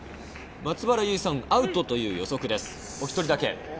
松原さん、アウトという予測です、お一人だけ。